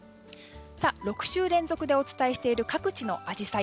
６週連続でお伝えしている各地のアジサイ。